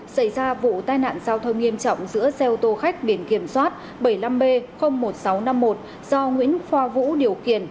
xảy ra vụ tai nạn giao thông nghiêm trọng giữa xe ô tô khách biển kiểm soát bảy mươi năm b một nghìn sáu trăm năm mươi một do nguyễn khoa vũ điều kiện